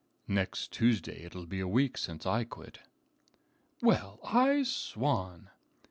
"Next Tuesday it'll be a week since I quit." "Well, I swan!"